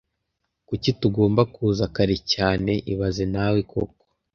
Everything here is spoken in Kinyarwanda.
Kuki tugomba kuza kare cyane ibaze nawe koko